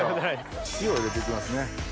塩入れて行きますね。